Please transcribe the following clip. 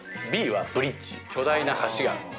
Ｂはブリッジ、巨大な橋がある。